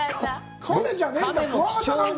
カメじゃねえんだ。